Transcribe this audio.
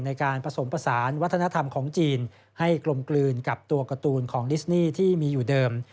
ในการผสมผสานวัฒนธรรมของจีนให้กลมกลืนกับตัวการ์ตูนของดิสนี่ที่มีอยู่เดิม